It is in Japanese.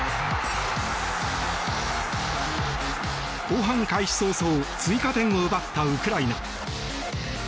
後半開始早々追加点を奪ったウクライナ。